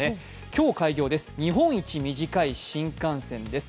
今日開業です、日本一短い新幹線です。